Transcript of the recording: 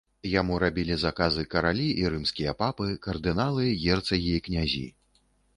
Яму рабілі заказы каралі і рымскія папы, кардыналы, герцагі і князі.